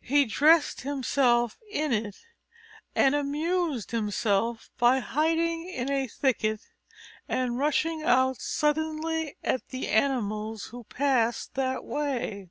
He dressed himself in it, and amused himself by hiding in a thicket and rushing out suddenly at the animals who passed that way.